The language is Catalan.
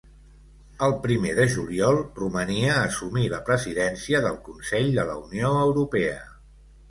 Al primer de juliol, Romania assumí la Presidència del Consell de la Unió Europea.